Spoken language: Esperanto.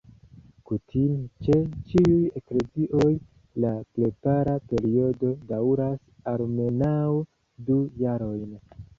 Kutime, ĉe ĉiuj eklezioj la prepara periodo daŭras almenaŭ du jarojn.